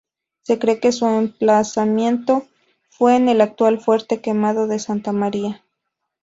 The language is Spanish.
Se cree que su emplazamiento fue en el actual Fuerte Quemado de Santa María.